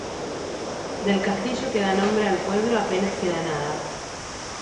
Del castillo que da nombre al pueblo apenas queda nada.